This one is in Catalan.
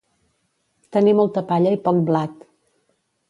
Tenir molta palla i poc blat.